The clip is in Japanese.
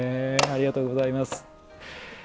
ありがとうございます。